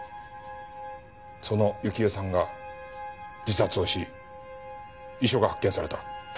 その幸恵さんが自殺をし遺書が発見された。